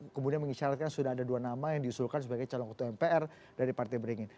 kemudian mengisyaratkan sudah ada dua nama yang diusulkan sebagai calon ketua mpr dari partai beringin